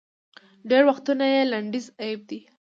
ډېری وختونه یې لنډیز اېب دی